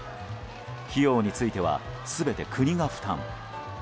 費用については全て国が負担。